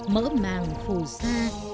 mỡ màng phù sa